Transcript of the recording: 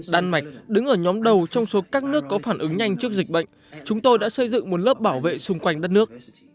đan mạch đứng ở nhóm đầu trong số các nước có phản ứng nhanh trước dịch bệnh chúng tôi đã xây dựng một lớp bảo vệ xung quanh đất nước